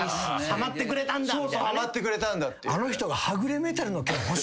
ハマってくれたんだっていう。